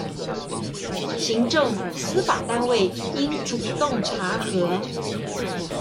行政、司法單位應主動查核